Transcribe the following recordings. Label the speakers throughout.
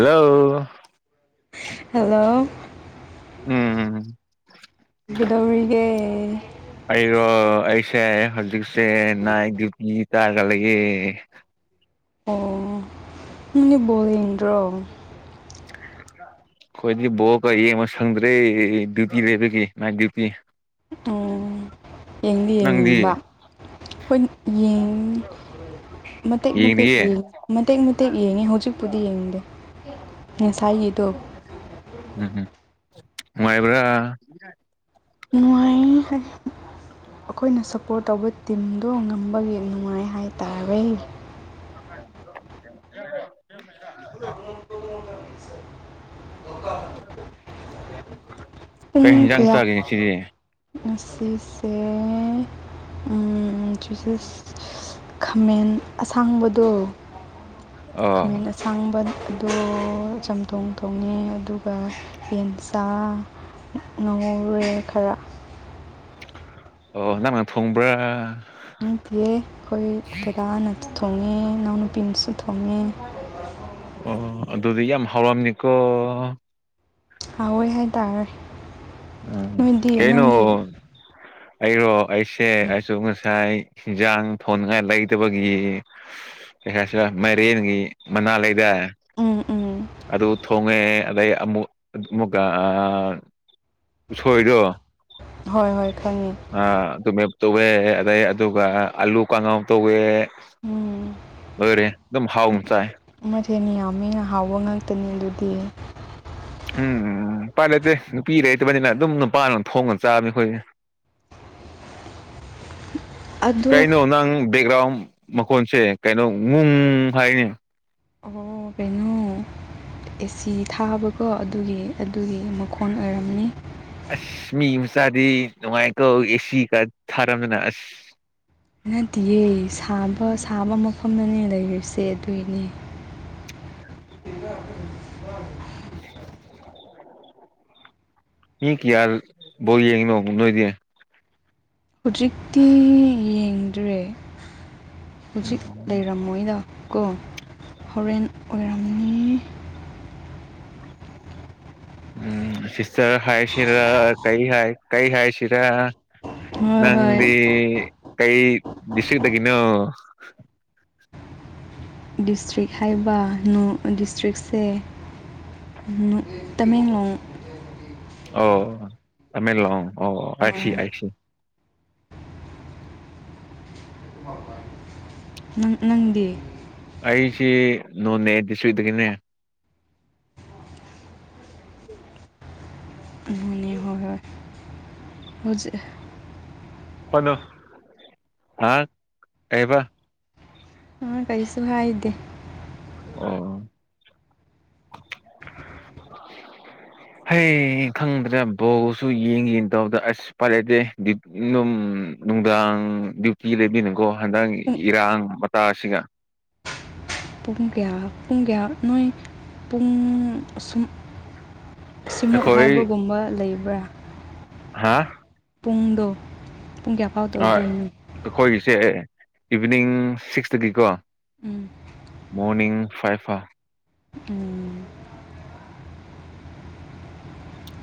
Speaker 1: hello
Speaker 2: hello
Speaker 1: ꯎꯝ
Speaker 2: ꯀꯩꯗꯧꯔꯤꯒꯦ
Speaker 1: ꯑꯩꯔꯣ ꯑꯩꯁꯦ ꯍꯧꯖꯤꯛꯁꯦ ꯅꯥꯏꯠ ꯗ꯭ꯌꯨꯇꯤ ꯇꯥꯔꯒ ꯂꯩꯑꯦ
Speaker 2: ꯑꯣ ꯅꯪꯗꯤ ꯕꯣꯜ ꯌꯦꯡꯗ꯭ꯔꯣ
Speaker 1: ꯑꯩꯈꯣꯏꯗꯤ ꯕꯣꯜꯒ ꯌꯦꯡꯕꯁꯪꯗ꯭ꯔꯦ ꯗ꯭ꯌꯨꯇꯤ ꯂꯩꯕꯒꯤ ꯅꯥꯏꯇ ꯗ꯭ꯌꯨꯇꯤ
Speaker 2: ꯑꯣ ꯌꯦꯡꯗꯤ
Speaker 1: ꯅꯪꯗꯤ
Speaker 2: ꯌꯦꯡꯅꯤꯡꯕ ꯑꯩꯈꯣꯏ ꯌꯦꯟ ꯃꯇꯦꯛ ꯃꯇꯦꯛ
Speaker 1: ꯌꯦꯡꯗꯤꯌꯦ
Speaker 2: ꯌꯦꯡꯉꯤ ꯃꯇꯦꯛ ꯃꯇꯦꯛ ꯌꯦꯡꯉꯤ ꯍꯧꯖꯤꯛꯄꯨꯗꯤ ꯌꯦꯡꯗꯦ ꯉꯁꯥꯏꯒꯤꯗꯣ
Speaker 1: ꯎꯝ ꯎꯝ ꯅꯨꯡꯉꯥꯏꯕ꯭ꯔꯥ
Speaker 2: ꯅꯨꯡꯉꯥꯏ ꯍꯥꯏꯗꯤ ꯑꯩꯈꯣꯏꯅ ꯁꯞꯄꯣꯔꯠ ꯇꯧꯕ ꯇꯤꯝ ꯗꯣ ꯉꯝꯕꯒꯤ ꯅꯨꯡꯉꯥꯏ ꯍꯥꯏꯇꯥꯔꯦ
Speaker 1: [unintelligible]
Speaker 2: [unintelligible]
Speaker 1: ꯀꯩ
Speaker 2: ꯄꯨꯡ
Speaker 1: ꯌꯦꯟꯖꯥꯡ
Speaker 2: ꯀꯌꯥ
Speaker 1: ꯆꯥꯒꯦ ꯉꯁꯤꯗꯤ
Speaker 2: ꯉꯁꯤꯁꯦ ꯎꯝ [unintelligible] ꯈꯥꯃꯦꯟ ꯑꯁꯥꯡꯕꯗꯣ
Speaker 1: ꯑꯣ
Speaker 2: ꯈꯃꯦꯟ ꯑꯥꯁꯥꯡꯕꯗꯣ ꯆꯝꯊꯣꯡ ꯊꯣꯡꯉꯦ ꯑꯗꯨꯒ ꯌꯦꯟꯆꯥꯥ ꯉꯧꯔꯦ ꯈꯔ
Speaker 1: ꯑꯣ ꯅꯪꯅ ꯊꯣꯡꯕ꯭ꯔꯥ
Speaker 2: ꯅꯠꯇꯤꯌꯦ ꯑꯩꯈꯣꯏ ꯗꯗꯥꯅꯁꯨ ꯊꯣꯡꯉꯦ ꯏꯅꯥꯎꯅꯨꯄꯤꯅꯁꯨ ꯊꯣꯡꯉꯦ
Speaker 1: ꯑꯣ ꯑꯗꯨꯗꯤ ꯌꯥꯝ ꯍꯥꯎꯔꯝꯅꯤꯀꯣ
Speaker 2: ꯍꯥꯎꯑꯦ ꯍꯥꯏꯇꯥꯔꯦ
Speaker 1: ꯎꯝ
Speaker 2: ꯅꯣꯏꯗꯤ
Speaker 1: ꯀꯩꯅꯣ
Speaker 2: ꯅꯪꯗꯤ
Speaker 1: ꯑꯩꯔꯣ ꯑꯩꯁꯦ ꯑꯩꯁꯨ ꯉꯁꯥꯏ ꯍꯦꯟꯖꯥꯡ ꯊꯣꯟꯉꯥꯏ ꯂꯩꯇꯕꯒꯤ ꯀꯩ ꯍꯥꯏꯁꯤꯕ ꯃꯥꯏꯔꯦꯟꯒꯤ ꯃꯅꯥ ꯂꯩꯗꯥꯏ
Speaker 2: ꯎꯝ ꯎꯝ
Speaker 1: ꯑꯗꯨ ꯊꯣꯉꯦ ꯑꯗꯩ ꯑꯃꯨꯛ ꯑꯃꯨꯛꯀ ꯑ ꯎꯁꯣꯏꯗꯣ
Speaker 2: ꯍꯣꯏ ꯍꯣꯏ ꯈꯪꯉꯤ
Speaker 1: ꯑ ꯑꯗꯨꯃꯦꯞ ꯇꯧꯑꯦ ꯑꯗꯩ ꯑꯗꯨꯒ ꯑꯥꯂꯨ ꯀꯥꯡꯉꯥꯎ ꯇꯧꯋꯦ
Speaker 2: ꯎꯝ
Speaker 1: ꯂꫭꯏꯔꯦ ꯑꯗꯨꯝ ꯍꯥꯎꯟ ꯆꯥꯏ
Speaker 2: ꯃꯊꯦꯟ ꯌꯥꯝꯃꯤꯅ ꯍꯥꯎꯕ ꯉꯥꯛꯇꯅꯤ ꯑꯗꯨꯗꯤ
Speaker 1: ꯎꯝ ꯎꯄꯥꯏ ꯂꯩꯇꯦ ꯅꯨꯄꯤ ꯂꯩꯇꯕꯅꯤꯅ ꯑꯗꯨꯝ ꯅꯨꯄꯥꯅ ꯊꯣꯡꯉꯒ ꯆꯥꯕꯅꯤ ꯑꯩꯈꯣꯏ
Speaker 2: [inaudible] ꯑꯗꯣ
Speaker 1: ꯀꯩꯅꯣ ꯅꯪ ꯕꯦꯛꯒ꯭ꯔꯥꯎꯟ ꯃꯈꯣꯟꯁꯦ ꯀꯩꯅꯣ ꯉꯨꯡ ꯍꯥꯏꯅꯦ
Speaker 2: ꯍꯣ ꯀꯩꯅꯣ ꯑꯦꯁꯤ ꯊꯥꯕꯀꯣ ꯑꯗꯨꯒꯤ ꯑꯗꯨꯒꯤ ꯃꯈꯣꯟ ꯑꯣꯏꯔꯝꯅꯤ
Speaker 1: ꯑꯁ ꯃꯤ ꯃꯆꯥꯗꯤ ꯅꯨꯡꯉꯥꯏꯀꯣ ꯑꯦꯁꯤꯒ ꯊꯥꯔꯝꯗꯅ ꯑꯁ
Speaker 2: ꯅꯗꯤꯌꯦ ꯁꯥꯕ ꯁꯥꯕ ꯃꯐꯝꯗꯅꯤ ꯂꯩꯔꯤꯁꯦ ꯑꯗꯨꯒꯤꯅꯦ [inaudible]
Speaker 1: ꯃꯤ ꯀꯌꯥ ꯕꯣꯜ ꯌꯦꯡꯉꯤꯅꯣ ꯅꯣꯏꯗꯤ
Speaker 2: ꯍꯧꯖꯤꯛꯇꯤ ꯌꯦꯡꯗ꯭ꯔꯦ ꯍꯧꯖꯤꯛ ꯂꯩꯔꯝꯃꯣꯏꯗ ꯀꯣ ꯍꯣꯔꯦꯟ ꯑꯣꯏꯔꯝꯅꯤ
Speaker 1: ꯎꯝ ꯁꯤꯁꯇꯔ ꯍꯥꯏꯁꯤꯔ ꯀꯩ ꯍꯥꯏ ꯀꯩ ꯍꯥꯏꯁꯤꯔ
Speaker 2: ꯍꯣꯏ ꯍꯣꯏ
Speaker 1: ꯅꯪꯗꯤ ꯀꯩ ꯗꯤꯁꯇ꯭ꯔꯤꯛꯇꯒꯤꯅꯣ
Speaker 2: ꯗꯤꯁꯇ꯭ꯔꯤꯛ ꯍꯥꯏꯕ ꯅꯣ ꯑ ꯗꯤꯁꯇ꯭ꯔꯤꯛꯁꯦ ꯅꯣ ꯇꯃꯦꯡꯂꯣꯡ
Speaker 1: ꯑꯣ ꯇꯃꯦꯡꯂꯣꯡ ꯑꯣ ꯑꯥꯏꯁꯤ ꯑꯥꯏꯁꯤ
Speaker 2: [inaudible] ꯅꯪ ꯅꯪꯗꯤ
Speaker 1: ꯑꯩꯁꯤ ꯅꯣꯅꯦ ꯗꯤꯁꯇ꯭ꯔꯤꯛꯇꯒꯤꯅꯦ
Speaker 2: ꯑꯗꯨꯅꯦ
Speaker 1: [inaudible]
Speaker 2: ꯍꯣꯏ ꯍꯣꯏ ꯍꯧꯖꯤꯛ
Speaker 1: [unintelligible] ꯀꯩꯕ
Speaker 2: ꯑ ꯀꯩꯁꯨꯨ ꯍꯥꯏꯗꯦ
Speaker 1: ꯑꯣ ꯍꯩ ꯈꯪꯗ꯭ꯔꯦ ꯕꯣꯜꯁꯨ ꯌꯦꯡ ꯌꯦꯡ ꯇꯕꯗ ꯑꯁ ꯎꯄꯥꯏꯂꯩꯇꯦ ꯗ꯭ꯌꯨ ꯅꯨꯝ ꯅꯨꯡꯗꯥꯡ ꯗ꯭ꯌꯨꯇꯤ ꯂꯩꯕꯅꯤꯅꯀꯣ ꯍꯟꯗꯥꯡ ꯏꯔꯥꯡ ꯇꯥꯁꯤꯒ
Speaker 2: ꯄꯨꯡ ꯀꯌꯥ ꯄꯨꯡ ꯀꯌꯥ ꯅꯣꯏ ꯄꯨꯡ ꯑꯁꯨꯝ ꯑꯁꯤꯃꯨꯛ
Speaker 1: ꯑꯩꯈꯣꯏ
Speaker 2: ꯍꯥꯏꯕꯒꯨꯝꯕ ꯂꯩꯕ꯭ꯔꯥ
Speaker 1: ꯍꯥꯥ
Speaker 2: ꯄꯨꯡꯗꯣ ꯄꯨꯡ ꯀꯌꯥ ꯑꯐꯥꯎ
Speaker 1: ꯍꯣꯏ
Speaker 2: ꯇꯧꯗꯣꯏꯅꯣ
Speaker 1: ꯑꯩꯈꯣꯏꯒꯤꯁꯦ ꯏꯚꯅꯤꯡ ꯁꯤꯛꯁꯇꯒꯤꯀꯣ
Speaker 2: ꯎꯝ
Speaker 1: ꯃꯣꯔꯅꯤꯡ ꯐꯥꯏꯕꯐꯥꯎ
Speaker 2: ꯎꯝ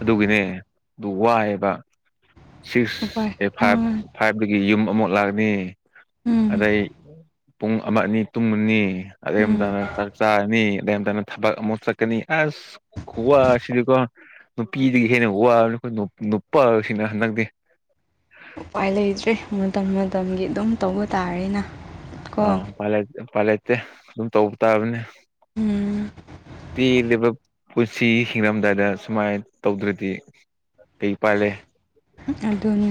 Speaker 1: ꯑꯗꯨꯒꯤꯅꯦ ꯑꯗꯨ ꯋꯥꯑꯦꯕ ꯁꯤꯛꯁ
Speaker 2: ꯎꯄꯥꯏ
Speaker 1: ꯑꯦ ꯐꯥꯏꯚ
Speaker 2: ꯎꯝ
Speaker 1: ꯐꯥꯏꯚꯗꯒꯤ ꯌꯨꯝ ꯑꯃꯨꯛ ꯂꯥꯛꯑꯅꯤ
Speaker 2: ꯎꯝ
Speaker 1: ꯑꯗꯩ ꯄꯨꯡ ꯑꯃ ꯑꯅꯤ ꯇꯨꯝꯃꯅꯤ ꯑꯗꯩ
Speaker 2: ꯎꯝ
Speaker 1: ꯑꯃꯝꯇꯅ ꯆꯥꯛ ꯆꯥꯔꯅꯤ ꯑꯗꯩ ꯑꯃꯝꯇꯅ ꯊꯕꯛ ꯑꯃꯨꯛ ꯆꯠ ꯀꯅꯤ ꯑꯁ ꯈꯨꯋꯥ ꯁꯤꯗꯤꯀꯣ ꯅꯨꯄꯤꯗꯒꯤ ꯍꯦꯟꯅ ꯋꯥꯕꯅꯤ ꯑꯩꯈꯣꯏ ꯅ ꯅꯨꯄꯥ ꯑꯣꯏꯁꯤꯡꯅ ꯍꯟꯗꯛꯇꯤ
Speaker 2: ꯎꯄꯥꯏ ꯂꯩꯇ꯭ꯔꯦ ꯃꯇꯝ ꯃꯇꯝꯒꯤ ꯑꯗꯨꯝ ꯇꯧꯕ ꯇꯥꯔꯦꯅ
Speaker 1: ꯑ
Speaker 2: ꯀꯣ
Speaker 1: ꯎꯄꯥꯂꯩ ꯎꯄꯥꯏꯂꯩꯇꯦ ꯑꯗꯨꯝ ꯇꯧꯕ ꯇꯥꯕꯅꯦ
Speaker 2: ꯎꯝ
Speaker 1: ꯇꯦꯜꯂꯤꯕ ꯄꯨꯟꯁꯤ ꯍꯤꯡꯉꯝꯗꯥꯏꯗ ꯁꯨꯃꯥꯏꯅ ꯇꯧꯗ꯭ꯔꯗꯤ ꯀꯩ ꯄꯥꯏꯂꯩ
Speaker 2: ꯑꯗꯨꯅꯤ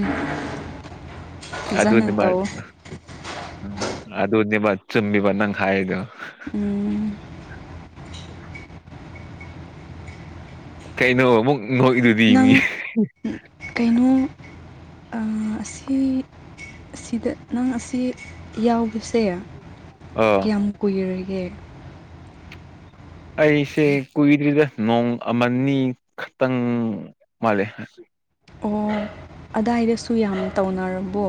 Speaker 2: ꯐꯖꯅ
Speaker 1: ꯑꯗꯨꯅꯤꯃꯛ
Speaker 2: ꯇꯧ
Speaker 1: ꯑꯗꯨꯅꯤꯃꯛ ꯆꯨꯝꯃꯤꯕ ꯅꯪ ꯍꯥꯏꯗꯣ
Speaker 2: ꯎꯝ
Speaker 1: ꯀꯩꯩꯅꯣ ꯑꯃꯨꯛ ꯅꯣꯛꯏꯗꯣ
Speaker 2: ꯅꯪ ꯀꯩꯅꯣ ꯑ ꯑꯁꯤ ꯑꯁꯤꯗ ꯅꯪ ꯑꯁꯤ ꯌꯥꯎꯕꯁꯦ
Speaker 1: ꯑ
Speaker 2: ꯀꯌꯥꯝ ꯀꯨꯏꯔꯒꯦ
Speaker 1: ꯑꯩꯁꯦ ꯀꯨꯏꯗ꯭ꯔꯤꯗ ꯅꯣꯡ ꯑꯃꯅꯤ ꯈꯛꯇꯪ ꯃꯥꯜꯂꯦ
Speaker 2: ꯑꯣ ꯑꯗꯥꯏꯗꯁꯨ ꯌꯥꯝꯅ ꯇꯧꯅꯔꯕꯣ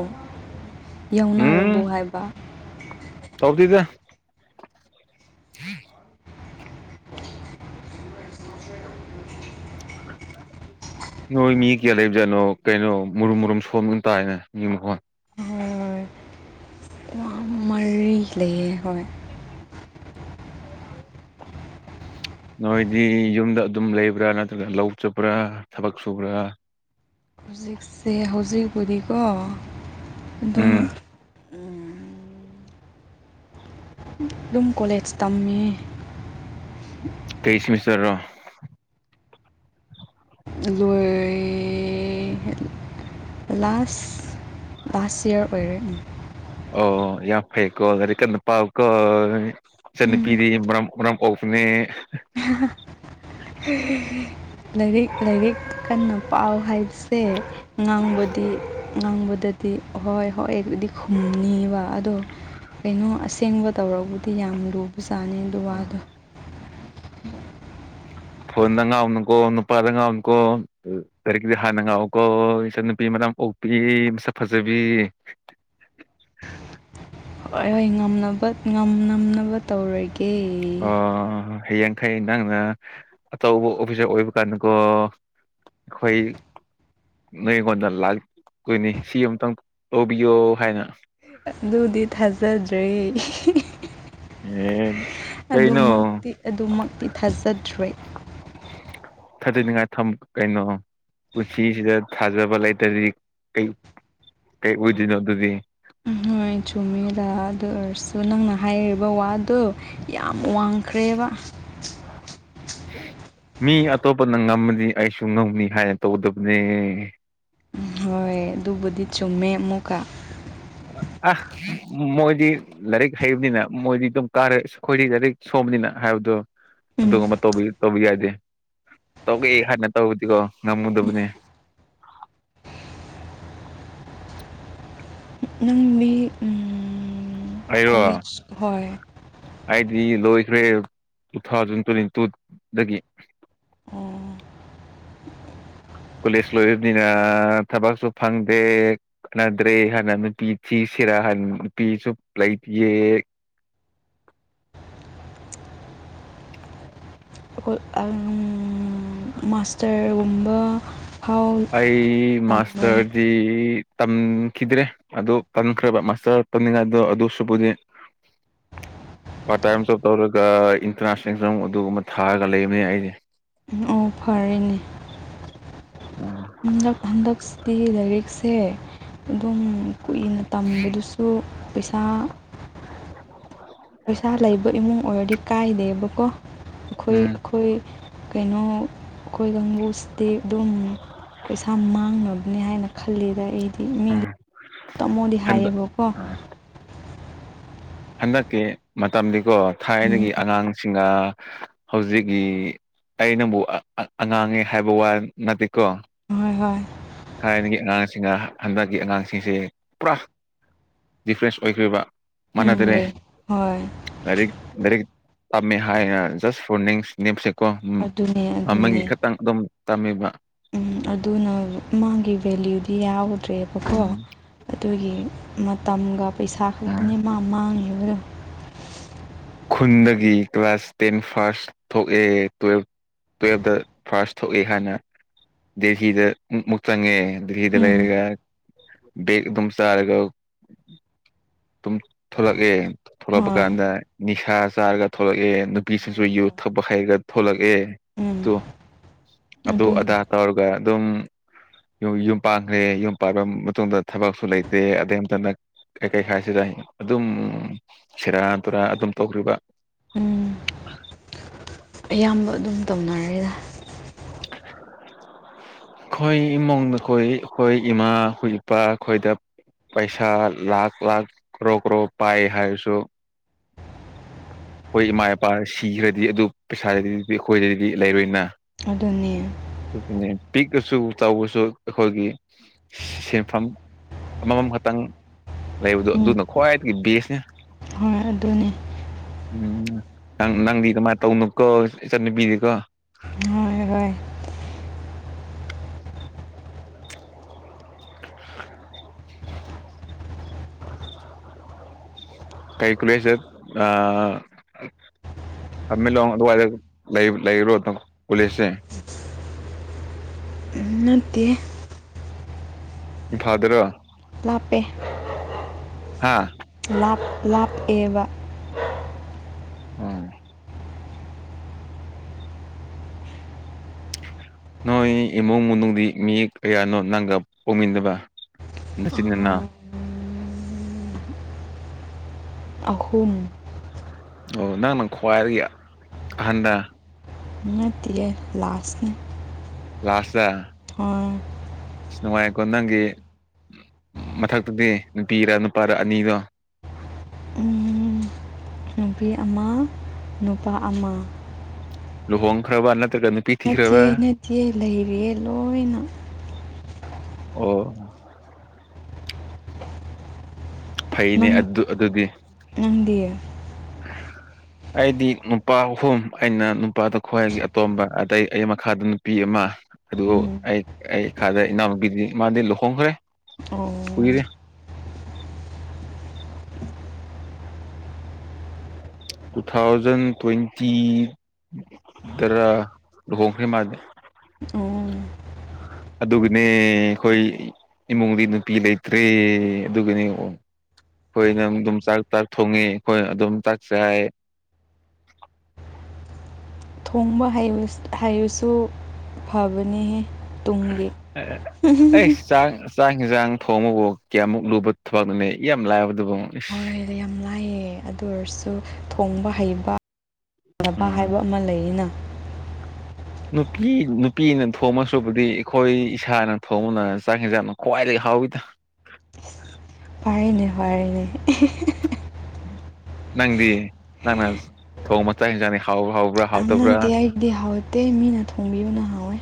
Speaker 2: ꯌꯥꯎꯅꯔꯕꯣ
Speaker 1: ꯎꯝ
Speaker 2: ꯍꯥꯏꯕ
Speaker 1: ꯇꯧꯗꯦꯗ
Speaker 2: [inaudible]
Speaker 1: ꯅꯣꯏ ꯃꯤ ꯀꯌꯥ ꯂꯩꯖꯥꯠꯅꯣ ꯀꯩꯅꯣ ꯃꯔꯨꯝ-ꯃꯔꯨꯝ ꯁꯣꯟꯕ ꯇꯥꯏꯍꯦ ꯃꯤ ꯃꯈꯣꯟ
Speaker 2: ꯃꯔꯤ ꯃꯔꯤ ꯂꯩꯌꯦ ꯍꫭꯏ
Speaker 1: ꯅꯣꯏꯗꯤ ꯌꯨꯝꯗ ꯑꯗꯨꯝ ꯂꯩꯕ꯭ꯔꯥ ꯅꯠꯇ꯭ꯔꯒ ꯂꯧ ꯆꯠꯄ꯭ꯔꯥ ꯊꯕꯛ ꯁꯨꯕ꯭ꯔꯥ
Speaker 2: ꯁꯦ ꯍꯧꯖꯤꯛꯄꯨꯗꯤꯀꯣ
Speaker 1: ꯎꯝ
Speaker 2: ꯑꯗꯨꯝ ꯎꯝ ꯑꯗꯨꯝ ꯀꯣꯂꯦꯖ ꯇꯝꯃꯤ
Speaker 1: ꯀꯩ ꯁꯦꯃꯤꯁꯇꯔ ꯅꯣ
Speaker 2: ꯂꯣꯏꯔꯦ ꯂꯥꯁ ꯂꯥꯁ ꯏꯌꯥꯔ ꯑꯣꯏꯔꯦ
Speaker 1: ꯑꯣ ꯌꯥꯝ ꯐꯩꯀꯣ ꯂꯥꯏꯔꯤꯛ ꯀꯟꯅ ꯄꯥꯎꯀꯣ ꯏꯆꯟ
Speaker 2: ꯎꯝ
Speaker 1: ꯅꯨꯄꯤꯗꯤ ꯃꯔꯝ ꯃꯔꯝ ꯑꯣꯛꯄꯅꯦ
Speaker 2: ꯂꯥꯏꯔꯤꯛ ꯂꯥꯏꯔꯤꯛ ꯀꯟꯅ ꯄꯥꯎ ꯍꯥꯏꯕꯁꯦ ꯉꯥꯡꯕꯗꯤ ꯉꯥꯡꯕꯗꯗꯤ ꯍꯣꯏ ꯍꯣꯏ ꯕꯨꯗꯤ ꯈꯨꯝꯅꯤꯕ ꯑꯗꯣ ꯀꯩꯅꯣ ꯑꯁꯦꯡꯕ ꯇꯧꯔꯛꯄꯇꯤ ꯌꯥꯝ ꯂꯨꯕ ꯖꯥꯠꯅꯤ ꯑꯗꯨ ꯋꯥꯗꯣ [inaudible]
Speaker 1: ꯐꯣꯟꯗ ꯉꯥꯎꯅꯨꯀꯣ ꯅꯨꯄꯥꯗ ꯉꯥꯎꯅꯨꯀꯣ ꯂꯥꯏꯔꯤꯛꯇꯨꯗ ꯍꯥꯟꯅ ꯉꯥꯎꯀꯣ ꯏꯆꯟ ꯅꯨꯨꯄꯤ ꯃꯔꯝ ꯑꯣꯛꯄꯤ ꯃꯁꯛ ꯐꯖꯕꯤ
Speaker 2: ꯍꯣꯏ-ꯍꯣꯏ ꯉꯝꯅꯕ ꯉꯝꯅꯕ ꯇꯧꯔꯒꯦ
Speaker 1: ꯑꯣ ꯍꯌꯦꯡꯈꯩ ꯅꯪꯅ ꯑꯆꯧꯕ ꯑꯣꯐꯤꯁꯥꯔ ꯑꯣꯏꯕ ꯀꯥꯟꯗꯀꯣ ꯑꯩꯗꯣꯏ ꯅꯉꯣꯟꯗ ꯂꯥꯛꯇꯣꯏꯅꯤ ꯁꯤ ꯑꯃꯇꯪ ꯂꯧꯕꯤꯌꯣ ꯍꯥꯏꯅ
Speaker 2: ꯑꯗꯨꯗꯤ ꯊꯥꯖꯗ꯭ꯔꯦ
Speaker 1: ꯑꯦ ꯀꯩꯅꯣ
Speaker 2: ꯑꯗꯨꯃꯛꯇꯤ ꯑꯗꯨꯃꯛꯇꯤ ꯊꯥꯖꯗ꯭ꯔꯦ
Speaker 1: ꯊꯥꯖꯅꯤꯡꯉꯥꯏ ꯊꯃꯨ ꯀꯩꯅꯣ ꯄꯨꯟꯁꯤꯁꯤꯗ ꯊꯥꯖꯕ ꯂꯩꯇ꯭ꯔꯗꯤ ꯀꯩ ꯀꯩ ꯑꯣꯏꯗꯣꯏꯅꯣ ꯑꯗꯨꯗꯤ
Speaker 2: ꯅꯣꯏ ꯆꯨꯝꯃꯦꯗ ꯑꯗꯨ ꯑꯣꯏꯔꯁꯨ ꯅꯪꯅ ꯍꯥꯏꯔꯤꯕ ꯋꯥꯗꯣ ꯗꯣ ꯌꯥꯝ ꯋꯥꯡꯈ꯭ꯔꯦꯕ
Speaker 1: ꯃꯤ ꯑꯇꯣꯞꯄꯅ ꯉꯝꯃꯗꯤ ꯑꯩꯁꯨ ꯉꯝꯅꯤ ꯍꯥꯏꯅ ꯇꯧꯒꯗꯕꯅꯦ
Speaker 2: ꯍꯣꯏ ꯑꯗꯨꯕꯨꯗꯤ ꯆꯨꯝꯃꯦ ꯑꯃꯨꯛꯀ
Speaker 1: ꯑ ꯃꯣꯏꯗꯤ ꯂꯥꯏꯔꯤꯛ ꯍꯩꯕꯅꯤꯅ ꯃꯣꯏꯗꯤ ꯑꯗꯨꯝ ꯀꯥꯔꯦ ꯑꯩꯈꯣꯏꯗꯤ ꯂꯥꯏꯔꯤꯛ ꯁꯣꯕꯅꯤꯅ ꯍꯥꯏꯕꯗꯣ
Speaker 2: ꯎꯝ
Speaker 1: ꯑꯗꯨꯒꯨꯝꯕꯗꯣ ꯇꯧꯕ ꯌꯥꯗꯦ ꯇꯧꯒꯦ ꯍꯥꯏꯅ ꯇꯧꯔꯗꯤꯀꯣ ꯉꯝꯒꯗꯕꯅꯦ
Speaker 2: ꯅꯪꯗꯤ ꯎꯝ
Speaker 1: ꯍꯥꯏꯔꯣ
Speaker 2: ꯀꯣꯂꯦꯖ ꯍꯣꯏ
Speaker 1: ꯑꯩꯗꯤ ꯂꯣꯏꯈ꯭ꯔꯦ ꯇꯨ ꯊꯥꯎꯖꯟ ꯇ꯭ꯋꯦꯟꯇꯤ ꯇꯨꯠ ꯗꯒꯤ ꯀꯣꯂꯦꯖ ꯂꯣꯏꯔꯕꯅꯤꯅ ꯊꯕꯛꯁꯨ ꯐꯪꯗꯦ ꯀꯥꯟꯅꯗ꯭ꯔꯦ ꯍꯥꯟꯅ ꯅꯨꯄꯤ ꯊꯤꯁꯤꯔ ꯍꯟ ꯅꯨꯄꯤꯁꯨ ꯂꯩꯇꯤꯌꯦ [inaudible]
Speaker 2: ꯑꯪ ꯃꯥꯁꯇꯔꯒꯨꯝꯕ ꯐꯥꯎ
Speaker 1: ꯑꯩ
Speaker 2: ꯇꯝꯕ꯭ꯔꯥ
Speaker 1: ꯃꯥꯁꯇꯔꯗꯤ ꯇꯝꯈꯤꯗ꯭ꯔꯦ ꯑꯗꯨ ꯇꯟꯈ꯭ꯔꯕ ꯃꯥꯁꯇꯔ ꯇꯝꯃꯤꯉꯥꯏꯗꯣ ꯑꯗꯨꯁꯨꯕꯨꯗꯤ ꯄꯥꯔꯠ ꯇꯥꯏꯝ ꯖꯣꯕ ꯇꯧꯔꯒ ꯏꯟꯇꯔꯥꯟꯁ ꯑꯦꯛꯖꯥꯝ ꯑꯗꯨꯒꯨꯝꯕ ꯊꯥꯔꯒ ꯂꯩꯕꯅꯦ ꯑꯩꯖꯦ
Speaker 2: ꯑꯣ ꯐꯔꯦꯅꯦ ꯍꯟꯗꯛ ꯍꯟꯗꯛꯁꯇꯤ ꯂꯥꯏꯔꯤꯛꯁꯦ ꯑꯗꯨꯝ ꯀꯨꯏꯅ ꯇꯝꯕꯗꯨꯁꯨ ꯄꯩꯁꯥ ꯄꯩꯁꯥ ꯂꯩꯕ ꯏꯃꯨꯡ ꯑꯣꯏꯔꯗꯤ ꯀꯥꯏꯗꯦꯕꯀꯣ ꯑꯈꯣꯏ
Speaker 1: ꯎꯝ
Speaker 2: ꯑꯈꯣꯏ ꯀꯩꯅꯣ ꯑꯈꯣꯏ ꯀꯥꯡꯕꯨꯁꯤꯗꯤ ꯑꯗꯨꯝ ꯄꯩꯁꯥ ꯃꯥꯡꯅꯕꯅꯦ ꯍꯥꯏꯅ ꯈꯜꯂꯤꯗ ꯑꯩꯗꯤ ꯃꯤꯗꯤ ꯇꯝꯃꯣꯗꯤ
Speaker 1: ꯍꯟꯗꯛ
Speaker 2: ꯍꯥꯏꯌꯦꯕ ꯀꯣ
Speaker 1: ꯍꯟꯗꯛꯀꯤ ꯃꯇꯝꯗꯤꯀꯣ
Speaker 2: ꯎꯝ
Speaker 1: ꯊꯥꯏꯅꯒꯤ ꯑꯉꯥꯡ ꯁꯤꯡꯒ ꯍꯧꯖꯤꯛꯒꯤ ꯑꯩ ꯅꯪꯕꯨ ꯑꯥ ꯑꯥ ꯑꯉꯥꯡꯅꯦ ꯍꯥꯏꯕ ꯋꯥ ꯅꯠꯇꯦꯀꯣ
Speaker 2: ꯍꯣꯏ ꯍꯣꯏ
Speaker 1: ꯊꯥꯏꯅꯒꯤ ꯑꯉꯥꯡꯁꯤꯡꯅ ꯍꯟꯗꯛꯀꯤ ꯑꯉꯥꯡꯁꯤꯡꯁꯦ ꯄꯨꯔꯥ ꯗꯤꯐ꯭ꯔꯦꯁ ꯑꯣꯏꯈ꯭ꯔꯦꯕ
Speaker 2: ꯎꯝ
Speaker 1: ꯃꯥꯟꯅꯗꯔꯦ
Speaker 2: ꯂꯩ ꯍꯣꯏ
Speaker 1: ꯂꯥꯏꯔꯤꯛ ꯂꯔꯤꯛ ꯇꯝꯃꯦ ꯍꯥꯏꯅ ꯖꯁ ꯐꯣꯔ ꯅꯦꯝ ꯁꯦꯛ ꯀꯣ ꯎꯝ
Speaker 2: ꯑꯗꯨꯅꯦ
Speaker 1: ꯑꯃꯅꯤ
Speaker 2: ꯑꯗꯨꯅꯦ
Speaker 1: ꯈꯇꯪ ꯑꯗꯨꯝ ꯇꯝꯃꯦꯕ
Speaker 2: ꯎꯝ ꯑꯗꯨꯅ ꯃꯥꯒꯤ ꯚꯦꯂꯌꯨꯗꯤ ꯌꯥꯎꯗ꯭ꯔꯦꯕꯀꯣ
Speaker 1: ꯎꯝ
Speaker 2: ꯑꯗꯨꯒꯤ ꯃꯇꯝꯒ ꯄꯩꯁꯥ ꯈꯛꯇꯅꯦ ꯃꯥ ꯃꯥꯡꯉꯤꯕꯗꯣ
Speaker 1: ꯈꯨꯟꯗꯒꯤ ꯀ꯭ꯂꯥꯁ ꯇꯦꯟ ꯐꯥꯔꯁ ꯊꯣꯛꯑꯦ ꯇꯨꯋꯦꯜꯞ ꯇꯨꯌꯦꯞꯇ ꯐꯥꯔꯁ ꯊꯣꯛꯏ ꯍꯥꯏꯅ ꯗꯦꯜꯍꯤꯗ ꯃꯨꯛ ꯆꯪꯉꯦ ꯗꯤꯜꯂꯤꯗ
Speaker 2: ꯎꯝ
Speaker 1: ꯂꯩꯔꯒ ꯕꯦꯛ ꯑꯗꯨꯝ ꯆꯥꯔꯒ ꯇꯨꯝ ꯊꯣꯛꯂꯛꯑꯦ ꯊꯣꯛꯂꯛꯄ
Speaker 2: ꯍꯣꯏ
Speaker 1: ꯀꯥꯟꯗ ꯅꯤꯁꯥ ꯆꯥꯔꯒ ꯊꯣꯛꯂꯛꯑꯦ ꯅꯨꯄꯤꯁꯤꯡꯁꯨ
Speaker 2: ꯍꯣꯏ
Speaker 1: ꯌꯨ
Speaker 2: ꯍꯣꯏ
Speaker 1: ꯊꯛꯄ ꯍꯩꯔꯒ ꯊꯣꯛꯂꯛꯑꯦ
Speaker 2: ꯎꯝ
Speaker 1: ꯇꯨ ꯑꯗꯨ
Speaker 2: ꯑꯗꯨꯅꯤ
Speaker 1: ꯑꯗꯥꯥ ꯇꯧꯔꯒ ꯑꯗꯨꯝ ꯌꯣ ꯌꯨꯝ ꯄꯥꯟꯒꯔꯦ ꯌꯨꯝ ꯄꯥꯟꯕ ꯃꯇꯨꯡꯗ ꯊꯕꯛꯁꯨ ꯂꯩꯇꯦ ꯑꯗꯩ ꯑꯝꯇ ꯅꯛ ꯀꯩ ꯀꯩ ꯍꯥꯏꯁꯤꯔ ꯑꯗꯨꯝ ꯁꯦꯔꯥꯟ ꯇꯨꯔꯥꯟ ꯑꯗꯨꯝ ꯇꯧꯈ꯭ꯔꯤꯕ
Speaker 2: ꯎꯝ ꯑꯌꯥꯝꯕ ꯑꯗꯨꯝ ꯇꯧꯅꯔꯦꯗ [inaudible]
Speaker 1: ꯈꯣꯏ ꯏꯃꯨꯡꯗꯈꯣꯏ ꯑꯈꯣꯏ ꯏꯃꯥ ꯑꯈꯣꯏ ꯏꯄꯥ ꯑꯈꯣꯏꯗ ꯄꯩꯁꯥ ꯂꯥꯛ ꯂꯥꯛ ꯀ꯭ꯔꯣ ꯀ꯭ꯔꯣ ꯄꯥꯏ ꯍꯥꯏꯔꯁꯨ ꯈꯣꯏ ꯏꯃꯥ ꯏꯄꯥ ꯁꯤꯈ꯭ꯔꯗꯤ ꯑꯗꯨ ꯄꯩꯁꯥꯗꯨꯗꯤ ꯑꯈꯣꯏꯗꯗꯤ ꯂꯩꯔꯣꯏꯅ
Speaker 2: ꯑꯗꯨꯅꯦ
Speaker 1: ꯗꯨꯒꯤꯅꯦ ꯄꯤꯛꯑꯁꯨ ꯆꯥꯎꯕꯁꯨ ꯑꯩꯈꯣꯏꯒꯤ ꯁꯦꯐꯝ ꯑꯃꯃꯝ ꯈꯇꯪ ꯂꯩꯕꯗꯣ
Speaker 2: ꯎꯝ
Speaker 1: ꯑꯗꯨꯅ ꯈ꯭ꯋꯥꯏꯗꯒꯤ ꯕꯦꯁꯅꯦ
Speaker 2: ꯍꯣꯏ ꯑꯗꯨꯅꯦ
Speaker 1: ꯎꯝ ꯅꯪ ꯅꯪꯗꯤ ꯀꯃꯥꯏ ꯇꯧꯅꯨꯀꯣ ꯏꯆꯟ ꯅꯨꯄꯤꯗꯤꯀꯣ
Speaker 2: ꯍꯣꯏ ꯍꯣꯏ
Speaker 1: [inaudible] [inaudible]
Speaker 2: [unintelligible]
Speaker 1: ꯀꯩ ꯀꯨꯂꯦꯖꯗ ꯑꯥ ꯊꯝꯃꯤꯜꯂꯣꯡ ꯑꯗꯨꯋꯥꯏꯗ ꯂꯩꯔꯣ ꯄꯨꯂꯤꯁꯁꯦ
Speaker 2: ꯅꯠꯇꯦ
Speaker 1: ꯐꯝꯚꯥꯜꯗ꯭ꯔꯣ
Speaker 2: ꯂꯥꯞꯄꯦ
Speaker 1: ꯍꯥꯥ
Speaker 2: ꯂꯞ ꯂꯥꯞꯄꯦꯕ
Speaker 1: ꯎꯝ ꯅꯣꯏ ꯏꯃꯨꯡ ꯃꯅꯨꯡꯗꯤ ꯃꯤ ꯀꯌꯥꯅꯣ ꯅꯪꯒ ꯄꯣꯛꯃꯤꯟꯅꯕ ꯅꯆꯤꯟ ꯅꯅꯥꯎ
Speaker 2: ꯑꯍꯨꯝ
Speaker 1: ꯑꯣ ꯅꯪꯅ ꯈ꯭ꯋꯥꯏꯗꯒꯤ ꯑꯍꯟꯂ
Speaker 2: ꯉꯠꯇꯤꯌꯦ ꯂꯥꯁꯅꯤ
Speaker 1: ꯂꯥꯁꯅꯦ
Speaker 2: ꯍꯣꯏ
Speaker 1: ꯑꯁ ꯅꯨꯡꯉꯥꯏꯀꯣ ꯅꯪꯒꯤ ꯃꯊꯛꯇꯗꯤ ꯅꯨꯄꯤꯔ ꯅꯨꯄꯥꯔ ꯑꯅꯤꯗꯣ
Speaker 2: ꯎꯝ ꯅꯨꯄꯤ ꯑꯃ ꯅꯨꯄꯥ ꯑꯃ
Speaker 1: ꯂꯣꯍꯣꯡꯈ꯭ꯔꯕꯥ ꯅꯇ꯭ꯔꯒ ꯅꯨꯄꯤ
Speaker 2: ꯅꯠꯇꯦ
Speaker 1: ꯊꯤꯈ꯭ꯔꯕ
Speaker 2: ꯅꯠꯇꯦ ꯂꯩꯔꯤ ꯂꯣꯏꯅ
Speaker 1: ꯑꯣ ꯐꯩꯅꯦ
Speaker 2: ꯅꯪ
Speaker 1: ꯑꯗꯨ ꯑꯗꯨꯗꯤ
Speaker 2: ꯅꯪꯗꯤ [unintelligible]
Speaker 1: ꯑꯩꯗꯤ ꯅꯨꯄꯥ ꯑꯍꯨꯝ ꯑꯩꯅ ꯅꯨꯄꯥꯗ ꯈ꯭ꯋꯥꯏꯒꯤ ꯑꯇꯣꯝꯕ ꯑꯗꯩ ꯑꯩ ꯃꯈꯥꯗ ꯅꯨꯄꯤ ꯑꯃ ꯑꯗꯨ
Speaker 2: ꯎꯝ
Speaker 1: ꯑꯩ ꯑꯩ ꯈꯥꯗ ꯏꯅꯥꯎꯨꯄꯤꯗꯤ ꯃꯥꯗꯤ ꯂꯨꯍꯣꯡꯈ꯭ꯔꯦ
Speaker 2: ꯑꯣ
Speaker 1: ꯀꯨꯏꯔꯦ ꯇꯨ ꯊꯥꯎꯖꯟ ꯇ꯭ꯋꯦꯟꯇꯤ ꯗꯔꯥ ꯂꯨꯍꯣꯡꯈ꯭ꯔꯦ ꯃꯥꯗꯤ
Speaker 2: ꯑꯣ
Speaker 1: ꯑꯗꯨꯒꯅꯦ ꯑꯩꯈꯣꯏ ꯏꯃꯨꯡꯗꯤ ꯅꯨꯄꯤ ꯂꯩꯇ꯭ꯔꯦ ꯑꯗꯨꯒꯅꯤ ꯑꯣ ꯑꯩꯈꯣꯏꯅ ꯑꯗꯨꯝ ꯆꯥꯛ ꯆꯥꯛ ꯊꯣꯡꯉꯦ ꯍꯣꯏꯅ ꯑꯗꯨꯝ ꯆꯥꯛ ꯆꯥꯏ
Speaker 2: ꯊꯣꯡꯕ ꯍꯩꯕ ꯍꯣꯕꯁꯨ ꯐꯕꯅꯤꯍꯦ
Speaker 1: ꯑꯦ ꯆꯥꯛ ꯆꯥꯛ ꯍꯦꯟꯖꯥꯡ ꯊꯣꯡꯉꯕꯕꯨ ꯀꯌꯥꯃꯨꯛ ꯂꯨꯕ ꯊꯕꯛꯅꯣ ꯌꯥꯝ ꯂꯥꯏꯕꯗꯨꯕꯨ ꯏꯁ
Speaker 2: ꯃꯔ ꯌꯥꯝ ꯂꯥꯏꯌꯦ ꯑꯗꯨ ꯑꯣꯏꯔꯁꯨ ꯊꯣꯡꯕ ꯍꯩꯕ [inaudible]
Speaker 1: ꯎꯝ
Speaker 2: ꯍꯥꯏꯕ ꯑꯃ ꯂꯩꯌꯦꯅ
Speaker 1: ꯅꯨꯄꯤ ꯅꯨꯄꯤꯅ ꯊꯣꯡꯉꯗꯧ ꯁꯔꯨꯛꯄꯨꯗꯤ ꯑꯩꯈꯣꯏ ꯏꯁꯥꯅ ꯊꯣꯡꯕꯅ ꯆꯥꯛ ꯍꯦꯟꯖꯥꯡ ꯀ꯭ꯋꯥꯥꯏꯗꯒꯤ ꯍꯥꯎꯏꯗ
Speaker 2: ꯍꯣꯏꯅꯦ
Speaker 1: ꯅꯪꯗꯤ ꯅꯪꯅ ꯊꯣꯡꯕ ꯆꯥꯛ ꯍꯦꯟꯖꯥꯡꯅꯤ ꯍꯥꯎꯕ꯭ꯔꯥ ꯍꯥꯎꯕ꯭ꯔꯥ ꯍꯥꯎ
Speaker 2: ꯌꯥꯝ ꯅꯠꯇꯦ ꯑꯩꯒꯤꯗꯤ ꯍꯥꯎꯇꯦ ꯃꯤꯅ ꯊꯣꯡꯕꯤꯕꯅꯥ ꯍꯥꯎꯋꯦ